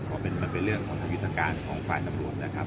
เพราะมันเป็นเรื่องของทางยุทธการของฝ่ายตำรวจนะครับ